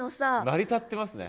成り立ってますね。